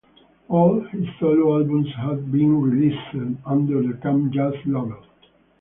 All his solo albums have been released under the Cam Jazz label.